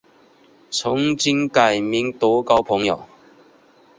曾经改名德高朋友。